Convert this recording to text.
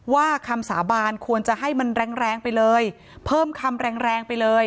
คำสาบานควรจะให้มันแรงแรงไปเลยเพิ่มคำแรงแรงไปเลย